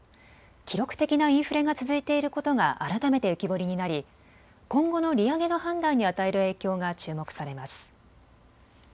記録的なインフレが続いていることが改めて浮き彫りになり今後の利上げの判断に与える影響が注目されます。